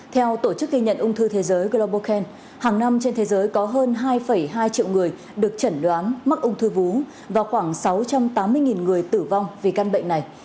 theo tổ chức ghi nhận ung thư thế giới global can hàng năm trên thế giới có hơn hai hai triệu người được chẩn đoán mắc ung thư vú và khoảng sáu trăm tám mươi người tử vong vì căn bệnh này